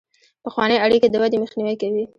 پخوانۍ اړیکې د ودې مخنیوی کوي.